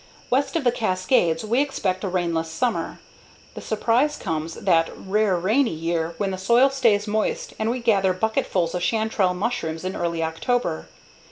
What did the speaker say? West of the Cascades we expect a rainless summer; the surprise comes that rare rainy year when the soil stays moist and we gather bucketfuls of chanterelle mushrooms in early October.